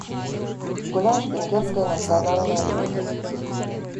Гуляш - венгерское национальное блюдо.